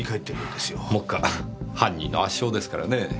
目下犯人の圧勝ですからねぇ。